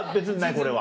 これは。